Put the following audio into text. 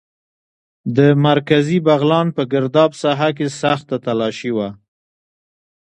د مرکزي بغلان په ګرداب ساحه کې سخته تالاشي وه.